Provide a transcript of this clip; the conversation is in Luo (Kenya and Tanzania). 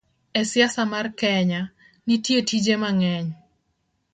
E siasa mar Kenya, nitie tije mang'eny